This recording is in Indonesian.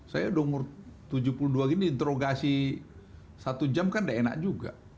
saya udah umur tujuh puluh dua gini interogasi satu jam kan udah enak juga